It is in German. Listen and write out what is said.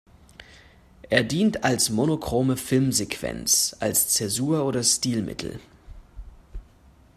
Er dient als monochrome Filmsequenz als Zäsur oder Stilmittel.